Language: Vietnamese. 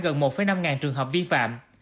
gần một năm ngàn trường hợp vi phạm